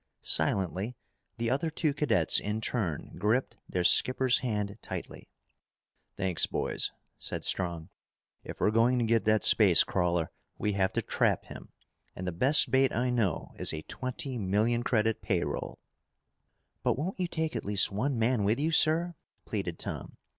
Silently the other two cadets in turn gripped their skipper's hand tightly. "Thanks, boys," said Strong. "If we're going to get that space crawler, we have to trap him. And the best bait I know is a twenty million credit pay roll." "But won't you take at least one man with you, sir?" pleaded Tom.